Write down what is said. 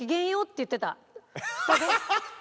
ハハハハ！